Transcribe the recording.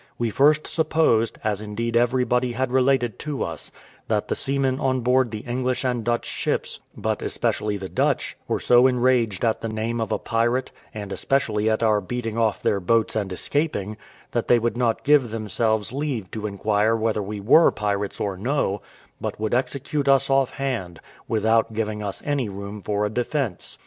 We first supposed, as indeed everybody had related to us, that the seamen on board the English and Dutch ships, but especially the Dutch, were so enraged at the name of a pirate, and especially at our beating off their boats and escaping, that they would not give themselves leave to inquire whether we were pirates or no, but would execute us off hand, without giving us any room for a defence.